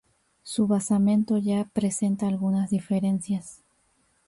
Su basamento ya presenta algunas diferencias.